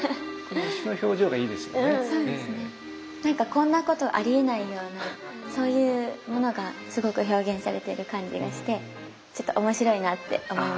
こんなことありえないようなそういうものがすごく表現されてる感じがしてちょっと面白いなって思いました。